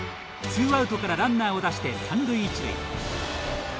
ツーアウトからランナーを出して三塁一塁。